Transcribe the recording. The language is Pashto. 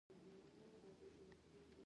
دغو كسانو ته الله تعالى د هدايت دروازې پرانېزي